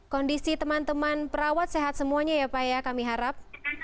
kondisi teman teman perawat sehat semuanya ya pak ya kami harap